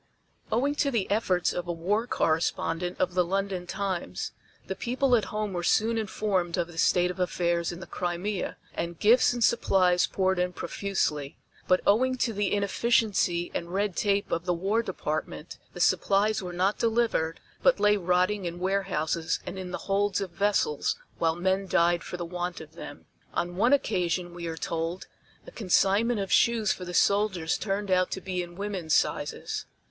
Owing to the efforts of a war correspondent of the London Times, the people at home were soon informed of the state of affairs in the Crimea, and gifts and supplies poured in profusely. But owing to the inefficiency and red tape of the War Department, the supplies were not delivered, but lay rotting in warehouses and in the holds of vessels while men died for the want of them. On one occasion, we are told, a consignment of shoes for the soldiers turned out to be in women's sizes.